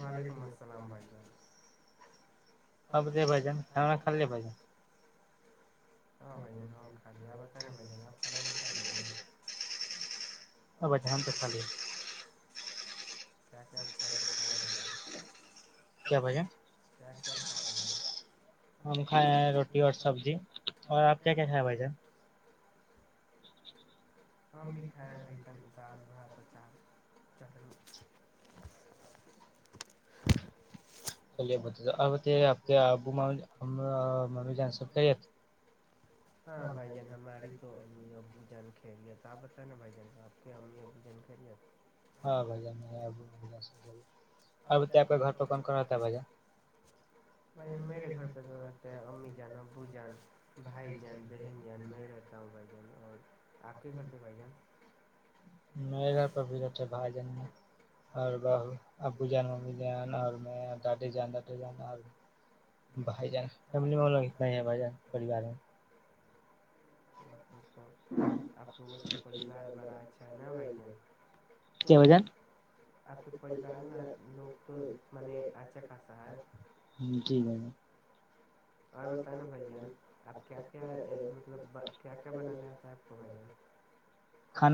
وعلیکم السلام بھائی جان ہاں بھائی ہم کھا بتا بھ آپ کھانای [inaudible] کیا کیا پیسے کیں بھیجیں [inaudible] گ جائے روٹی اور سبزیپ کیا خ ہو جائے [inaudible] ہم بھی کھائے بھائی جان دال چٹنی [inaudible] چلیے بھائی جان آپ کے ابو امی جان سب خیریت امی ابو جان خیریت ہے ہاں بھائی جان ہماری امی ابو جان سب خیریت بھائی جان میرے گھر پہ تو رہتے ہیں امی جان ابو جان بھائی جان بہن جان میں رہتا ہوں بھائی جان اور آپ کے گھر پہ بھائی جان میرے گھر پر بھی بیھے بھائی جن نے اور بہو [inaudible] ابو جان امی جان اور میں [inaudible] بھائی جان فیملی والوں میں اتنا ہی ہے بھائی جان پریوار میں آپ لوگوں کا تو پریوار بڑا ہے کیا بھائی جان جی بھائی جان اور بتاو نا بھائی جان آپ کیا کیا مطلب کیا کیا بنانا آتا ہے آپ کو بھائی جان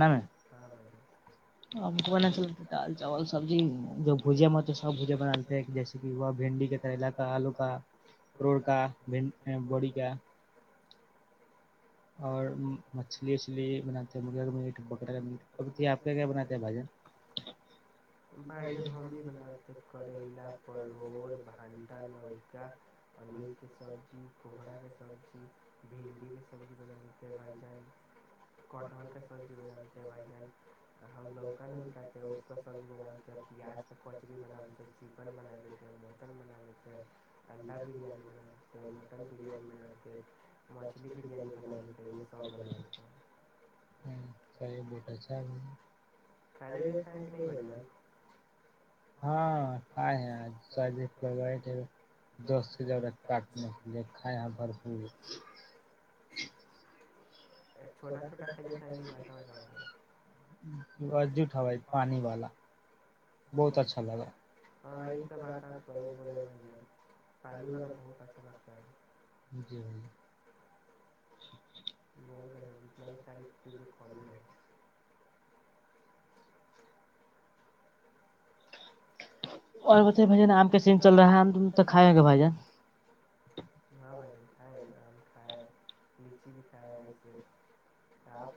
بڑی کا اور مچھلی وچھلی بناتے ہیں مرغا کا میٹ بکرا کا میٹ اب آپ کا کیا بناتے ہیں بھجنھ [inaudible] کی سبزی کوہرا کی سبزی بھنڈی کی سبزی بنا لیتے بھائی جان کٹہل کا سبزی بنا لیتے بھ جان ہم لوکا نہیں کھاتے ہیں اس کا سبزی بنا لیتے ہیں پیاز کا کچریی بنا لیتے ہیں چکن بنا لیتے ہیں مٹن بنا لیتے ہیں انڈا بریانی بنا لیتے ہیں [inaudible] ہاں ک ہے ف دس کے ج [inaudible] نے لے کایا بھرپور [inaudible] وا اجٹ ہے پانی والا [inaudible] بہت اچھا لگا جی بہت جتنا چالیس جی کم ہے [inaudible] اورھ آ کا س چل رہا ہے کھائے گ بھ ہاں بھائی ج کھ کھائےچی بھی کھائے آپ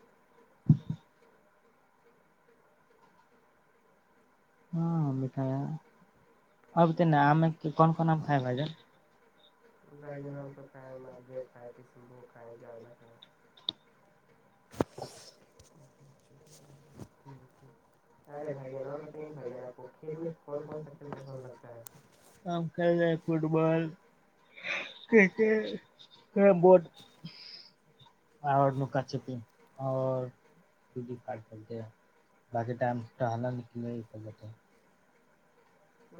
[inaudible] ہاں مھایا [inaudible] کون کون ب ب تو مد ک کہ [inaudible] [inaudible] ارے بھائی جان اورائی جانا کون کون س [inaudible] آم کل جائے فٹ بال [inaudible] کہ کرم بورڈ [inaudible] اور نکا چپی اور کاٹ کرتے باقی ٹائم نکل ب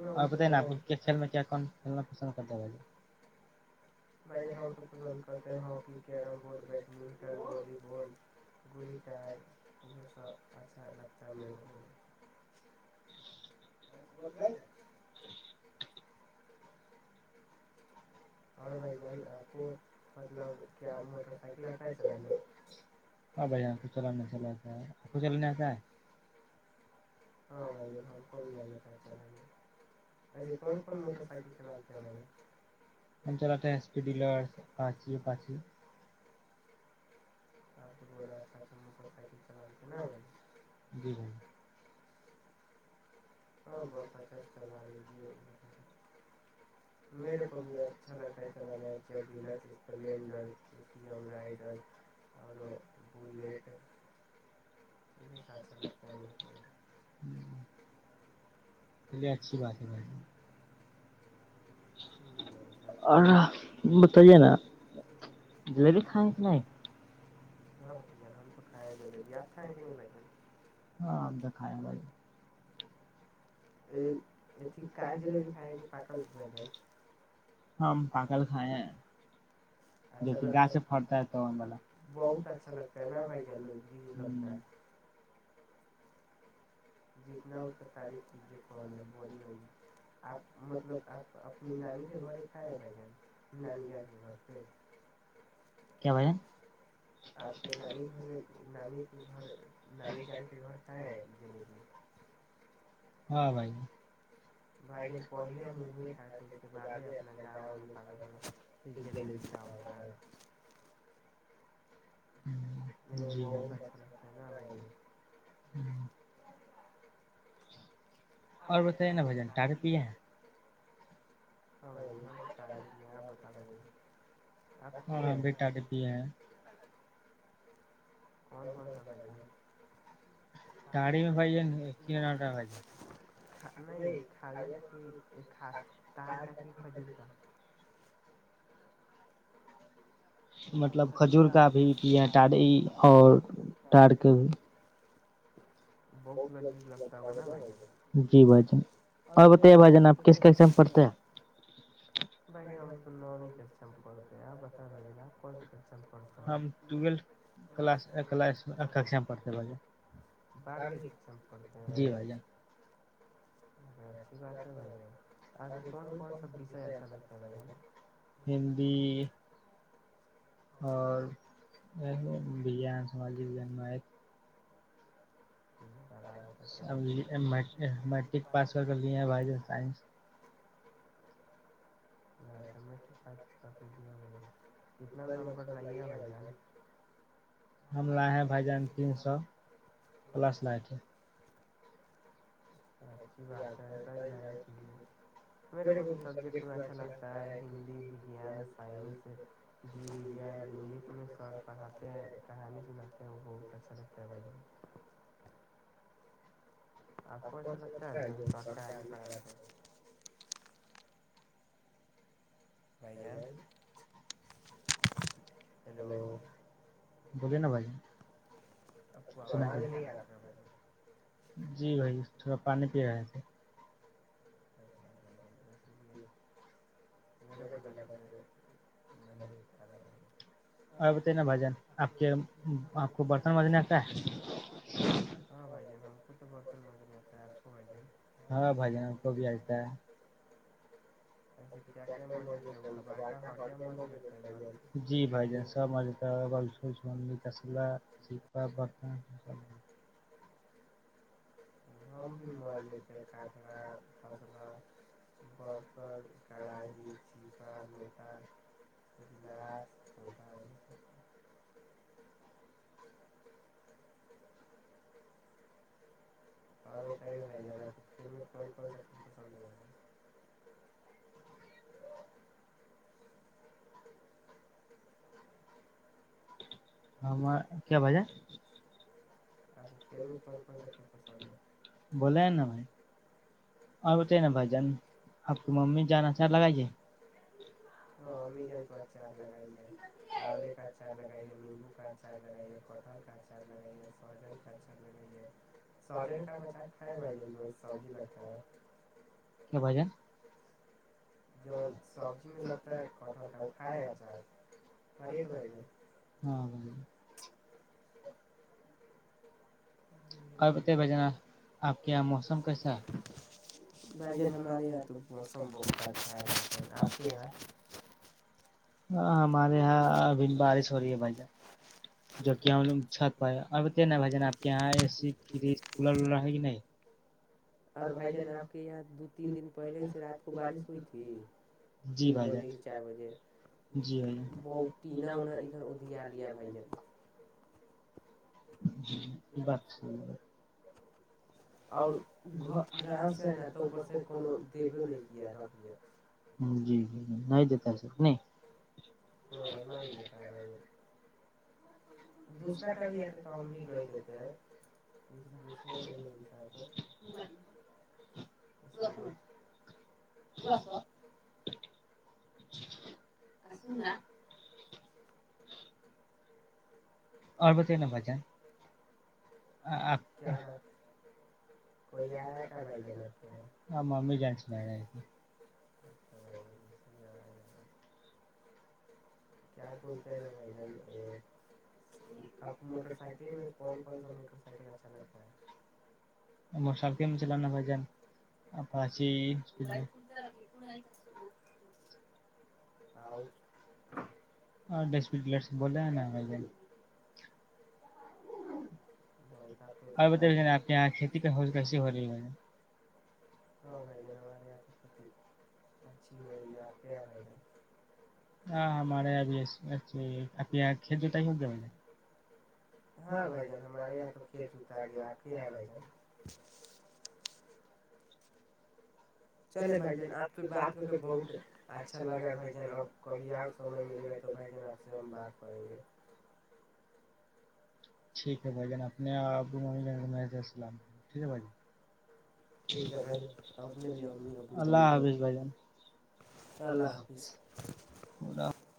ہم تو پسند کرتے hockey carrom board badminton volleyball گ ر یہ سب اچھا لگتا مل ہے [unintelligible] ب مطل ہاں بھائی آ چل چتا ہے آو چلنےتا ہے کو تھاس پ ڈلرچچ ھ جی جی ہاں بت اچھا سے چلا لیجیے میرے کو بھی اچھا لگتا ہے چلانا اسپلینڈر ایم رائڈر اور بلیٹ یہ س اچھا لگتا ہے مے کو بھی چلیے اچھی بات ہے بھائی ہم تو کھائیں گ آپ کھائیں کہ کچ جب ک کہ پل بت اچھا لگتا ہےائیگتا ہے جتنا اس سے تعریف کیجیے گ بی آپ مطلب آپ اپنی نانی کے گھر کہ ہیں بھائی جان نانی جان کے گھر پ کیا آپ کے نانی گ نانی کے گھر نانی جان کے گھر کہ ہیں جی ہاں بھائی بھائی جن پہلے مہے تھاائے تھ اس کے بدے اپنا گاؤ میں پ والتاتا ل وہا جاس لس ن رہ اور بتے نا بھجن ٹارے پے ہیں ہاں تاریخ آ بتا آپ کون کون سا بھائیاھھ نہیں خاا تار کا کھجور کا مطلب کھجور کا بھی پڑی اور ٹاار کے بھی [unintelligible] بہت لذیب لگتا ہوگا ن ب بھائی ہم تو نو بھی کرتے تے آپ بتا لےاپ کون سے پڑ بارہویں شا پڑھتے ے چل ک کر کیاا لگتا بن اور یہ بھیان سامجک جنم ہے میٹرک پاس ہو کر ل بھائی سائنس [unintelligible] کتنا نمبر لے بھائی جان بھ ج س [unintelligible] اچھی بات ہے ایسا ہی میرے کو بھی سبجیکٹ [unintelligible] اچھا لگتا ہے ہندی وگان سائنس جیان انگلش میں سر پڑھاتے ہیں کہانی سناتے ہیں وہ بہت اچھا لگتا ہے ب [unintelligible] آپ کو ایچھا لگتا ہے جو کر [unintelligible] لو بوولے نا بھائی جی بھائی تھوڑا پانی پی رہے تھے [unintelligible] میریرے کو ہاں بھائی جان ہم ک تو بتل آپ بھ ج [unintelligible] کب آلتا [unintelligible] جی بھائی جان سب م کرا بن [unintelligible] جم بھی مج ہےتے کٹرا خسب برتن کڑاہی چپا مٹالاس [unintelligible] اور بتائی نا بھان آپ کو کلت کون رنا پسند گا [unintelligible] ہم کیا بجے [unintelligible] ف میں کون کون سا ک اور بتے نا بھ جان آپ کی ممی جانا ا چا لگائیے [unintelligible] چے مندی کاار چے پٹالےے سجن کامے سی کیا بجا [unintelligible] تو سب بھی لگتا ہے پس کا ہے خریے ہاں اور بتائی ب جانا آپ کے یہاں موسم کیسا [unintelligible] [unintelligible] بھائی جن ہمارے یہاں تو موسم بہت اچھا ہے آپ کے یہاں [unintelligible] [unintelligible] ہاں ہمارے یہاں [unintelligible] [unintelligible] ا بارش ہو رہی ہے بھائی جان جو کہ ہم لوگ چھت پائے اور بت نا بھائی جان آپ کے یہاں اے سی کولر ولر ہے کہ نہیں اور بھائی جانپ [unintelligible] [unintelligible] دو تین دن پہلے ہی سے رات کو بارش ہوئی تھی تین بجے سے چار بجے ب [unintelligible] [unintelligible] پین ہونا لیا لیا بھائی [unintelligible] [unintelligible] جی بات س ہے [unintelligible] [unintelligible] اور سے ہے جی جی ج نہیں دیتا ہے س [unintelligible] [unintelligible] دوسرا ک بھی آ تھا توم بھی نہیں ہوتے ہے [unintelligible] [unintelligible] جکھس [unintelligible] [unintelligible] اس گا [unintelligible] [unintelligible] کیا بات کوئی آیا کیا بھائی جان آپ کے [unintelligible] ب م س میں چلنا پ جان [unintelligible] ہؤ [unintelligible] [unintelligible] ہاں ڈسلر سے بولا ہے نا [unintelligible] ب تو بھائی جان ہمے آ [unintelligible] اچھی ہوی ہے آپ بھائی بائی [unintelligible] مارےب آپ ک ت ہوگ ج ج [unintelligible] چلے بھائی جان آپ کی بات ہو تو بہت اچھا لگا بھائی جان ا س مل گیا تو بھائی جان آپ سے ہم بات کریں گے [unintelligible] ٹھیک ہے بھائی جن اپنے ابو م محلام [unintelligible] ٹھیک ہے بھائی [unintelligible] بھائی اللہ حافظ بھائی جان اللہ حافظ [unintelligible]